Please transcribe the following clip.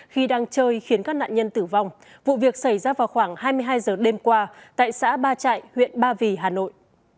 khi đang chơi khiến các nạn nhân tử vong vụ việc xảy ra vào khoảng hai mươi hai giờ đêm qua tại xã ba trại huyện ba vì hà nội